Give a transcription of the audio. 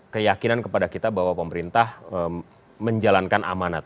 keyakinan kepada kita bahwa pemerintah menjalankan amanat